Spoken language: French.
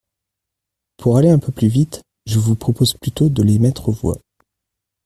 Pour aller un peu plus vite, je vous propose plutôt de les mettre aux voix.